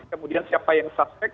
kemudian siapa yang suspek